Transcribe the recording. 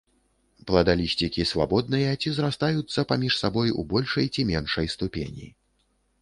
Пладалісцікі свабодныя ці зрастаюцца паміж сабой у большай ці меншай ступені.